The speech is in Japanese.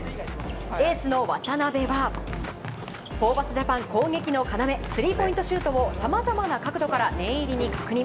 エースの渡邊はホーバスジャパン攻撃の要スリーポイントシュートをさまざまな角度から念入りに確認。